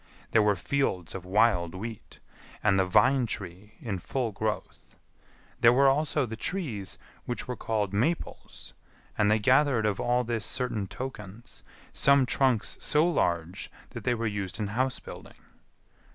There were fields of wild wheat, and the vine tree in full growth. There were also the trees which were called maples; and they gathered of all this certain tokens; some trunks so large that they were used in house building.